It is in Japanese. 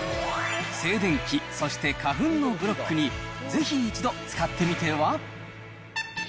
静電気、そして花粉のブロックに、ぜひ一度、使ってみては。